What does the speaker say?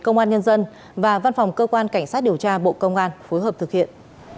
công an nhân dân và văn phòng cơ quan cảnh sát điều tra bộ công an phối hợp thực hiện